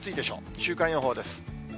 週間予報です。